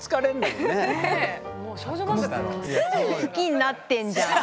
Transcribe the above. すぐ好きになってんじゃん